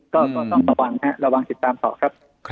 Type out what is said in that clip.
ก็ต้องระวังนะครับระวังสิทธิ์ตามเสาครับ